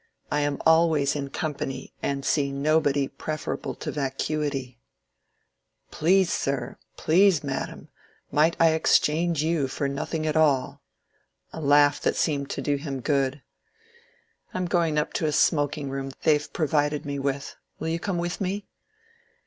I am always in company and see nobody pre ferable to vacuity :^ Please sir, please madam ; might I ex change you for nothing at all !'" (A laugh that seemed to do him good.) "I am going up to a smoking room they've pro vided me with — will you come with me